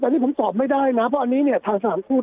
แต่นี่ผมตอบไม่ได้นะเพราะอันนี้เนี่ยทางสถานทูต